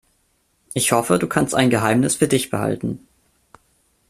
Ich hoffe, du kannst ein Geheimnis für dich behalten.